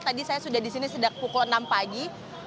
tadi saya sudah disini sedang pukul enam pagi